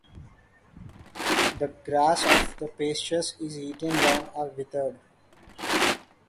The grass of the pastures is eaten down or withered.